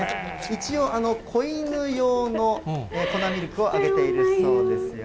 一応、子犬用の粉ミルクをあげているそうですよ。